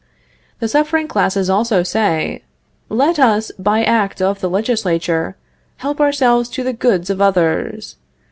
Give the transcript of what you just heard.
The suffering classes also say. "Let us by act of the Legislature help ourselves to the goods of others.